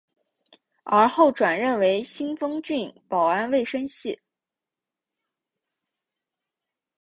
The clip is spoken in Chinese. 而后转任为新丰郡保安卫生系。